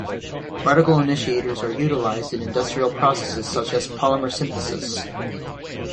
Radical initiators are utilized in industrial processes such as polymer synthesis.